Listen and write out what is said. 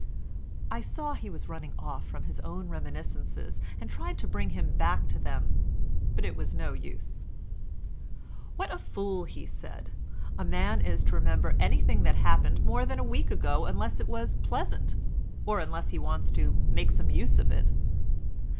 I saw he was running off from his own reminiscences and tried to bring him back to them, but it was no use. "What a fool," he said, "a man is to remember anything that happened more than a week ago unless it was pleasant, or unless he wants to make some use of it.